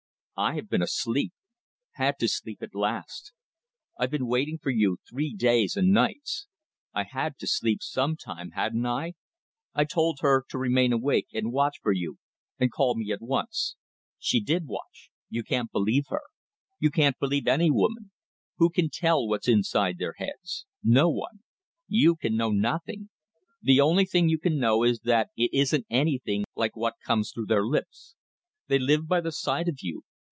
I have been asleep. Had to sleep at last. I've been waiting for you three days and nights. I had to sleep some time. Hadn't I? I told her to remain awake and watch for you, and call me at once. She did watch. You can't believe her. You can't believe any woman. Who can tell what's inside their heads? No one. You can know nothing. The only thing you can know is that it isn't anything like what comes through their lips. They live by the side of you.